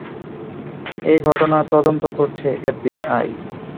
এ ঘটনার তদন্ত করছে এফবিআই।